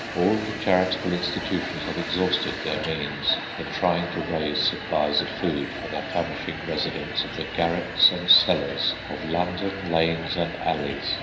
All the charitable institutions have exhausted their means in trying to raise supplies of food for the famishing residents of the garrets and cellars of London lanes and alleys.